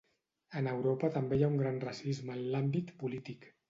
En Europa també hi ha un gran racisme en l'àmbit polític.